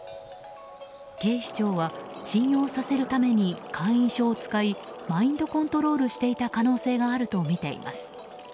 警視庁は信用させるために会員証を使いマインドコントロールしていた可能性があるとみています。